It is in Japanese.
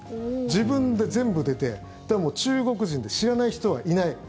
自分で全部出てだから、もう中国人で知らない人はいない。